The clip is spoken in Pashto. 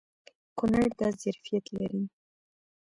کونړ دا ظرفیت لري.